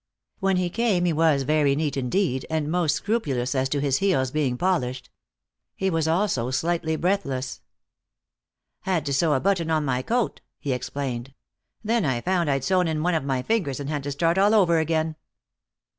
When he came he was very neat indeed, and most scrupulous as to his heels being polished. He was also slightly breathless. "Had to sew a button on my coat," he explained. "Then I found I'd sewed in one of my fingers and had to start all over again."